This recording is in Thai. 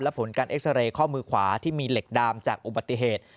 และผลการเอ็กซาเรย์ข้อมือขวาที่มีเหล็กดามจากอุบัติเหตุ